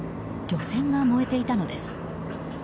漁船が燃えていたのです。